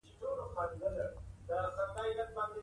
د پکتیا، کونړ او بادغیس ولایتونو کې کچه لوړه ده.